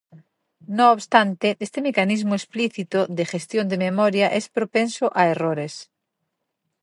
No obstante, este mecanismo explícito de gestión de memoria es propenso a errores.